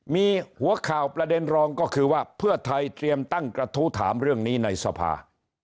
มีหัวข่าวประเด็นรองก็คือว่าเพื่อไทยเตรียมตั้งกระทู้ถามเรื่องนี้ในสภา